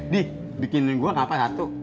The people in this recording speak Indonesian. dih bikinin gua ngapain satu